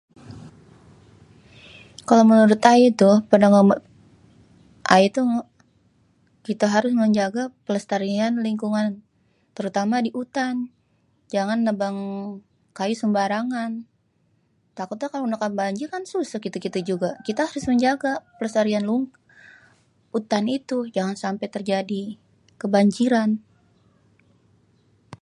Kalo menurut ayé tuh, ayé tuh, kita harus menjaga pelestarian lingkungan terutama di utan. Jangan nebang kayu sembarangan takutnya kalo banjir kan susah kita-kita juga. Kita harus menjaga pelestarian hutan itu. Jangan sampe terjadi kebanjiran.